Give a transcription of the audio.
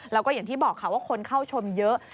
แล้วก็อย่างที่บอกค่ะว่าคนเข้าชมเยอะ